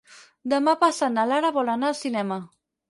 Demà passat na Lara vol anar al cinema.